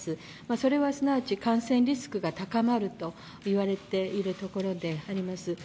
それはすなわち感染リスクが高まるといわれているところであります。